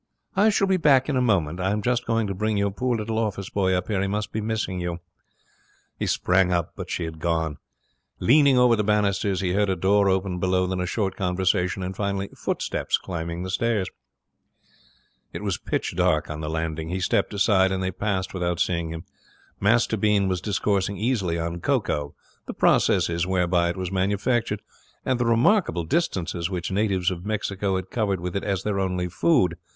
'I shall be back in a moment. I'm just going to bring your poor little office boy up here. He must be missing you.' He sprang up, but she had gone. Leaning over the banisters, he heard a door open below, then a short conversation, and finally footsteps climbing the stairs. It was pitch dark on the landing. He stepped aside, and they passed without seeing him. Master Bean was discoursing easily on cocoa, the processes whereby it was manufactured, and the remarkable distances which natives of Mexico had covered with it as their only food.